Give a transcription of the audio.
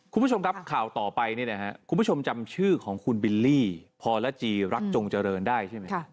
คุณผู้ชมครับข่าวต่อไปคุณผู้ชมจำชื่อของคุณบิลลี่พรจีรักจงเจริญได้ใช่ไหม